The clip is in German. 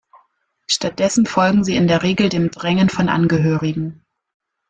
Stattdessen folgen sie in der Regel dem Drängen von Angehörigen.